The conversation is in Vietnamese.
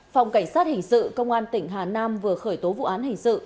phòng cảnh sát hình sự công an tỉnh hà nam vừa khởi tố vụ án hình sự